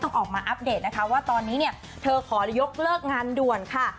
ต้องออกมาอัพเดตนะครับว่าตอนนี้เธอขอยกเลิกงานด่วนค่ะ